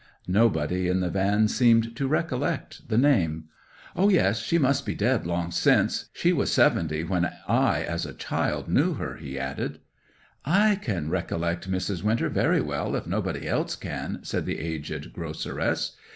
Nobody in the van seemed to recollect the name. 'O yes, she must be dead long since: she was seventy when I as a child knew her,' he added. 'I can recollect Mrs. Winter very well, if nobody else can,' said the aged groceress.